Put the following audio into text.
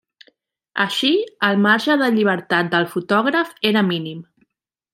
Així, el marge de llibertat del fotògraf era mínim.